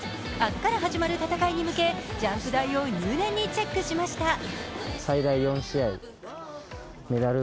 明日から始まる戦いに向け、ジャンプ台を入念にチェックしました。